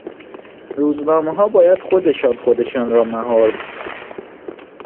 روزنامهها باید خودشان خودشان را مهار بکنند.